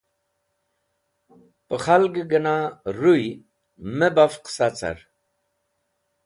Pẽ khalgẽ gẽna rũy mey baf qẽsa car.